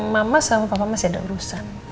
mama sama papa masih ada urusan